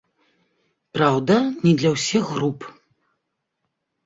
Праўда, не для ўсіх груп.